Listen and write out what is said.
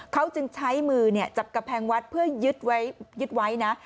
เขาจึงใช้มือจับกำแพงวัดเพื่อยึดไว้นะ